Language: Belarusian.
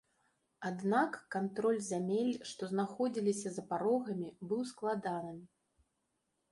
Аднак кантроль зямель, што знаходзіліся за парогамі, быў складаным.